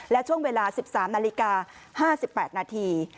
และช่วงเวลา๑๓นาฬิกา๕๘นาที